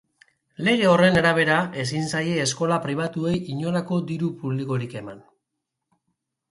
Lege horren arabera, ezin zaie eskola pribatuei inolako diru publikorik eman.